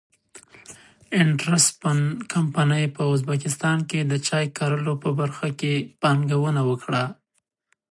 انټرسپن کمپنۍ په ازبکستان کې د چای کرلو په برخه کې پانګونه وکړه.